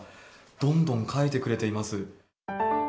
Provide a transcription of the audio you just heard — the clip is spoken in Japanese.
どんどん書いてくれています。